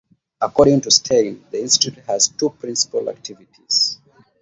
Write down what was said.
According to Stein: The Institute has two principal activities.